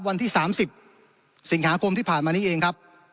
วันที่๓๐สิงหาคมที่ผ่านมานี้เองครับ